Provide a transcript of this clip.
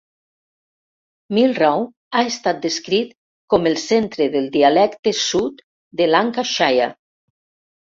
Milnrow ha estat descrit com "el centre del dialecte sud de Lancashire".